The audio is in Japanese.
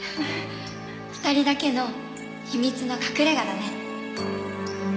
２人だけの秘密の隠れ家だね。